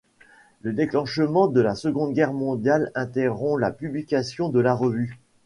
Le déclenchement de la Seconde Guerre mondiale interrompt la publication de la revue.